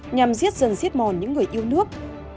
nhằm giết dần giết mòn những người yêu nước